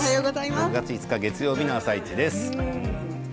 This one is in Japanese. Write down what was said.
６月５日月曜日の「あさイチ」です。